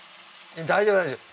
大丈夫大丈夫。